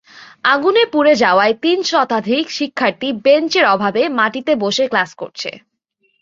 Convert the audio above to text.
আগুনে পুড়ে যাওয়ায় তিন শতাধিক শিক্ষার্থী বেঞ্চের অভাবে মাটিতে বসে ক্লাস করছে।